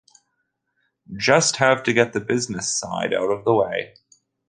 Just have to get the business side out of the way.